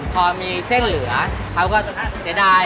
พอมีเส้นเหลือเขาก็เสียดาย